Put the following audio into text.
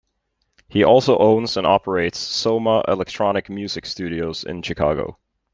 He also owns and operates Soma Electronic Music Studios in Chicago.